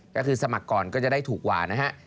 ก็คือสมัครก่อนก็จะได้ถูกกว่านะฮะ